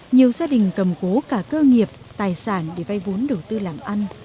nhiều gia đình cầm cố cả cơ nghiệp tài sản để vay vốn đầu tư làm ăn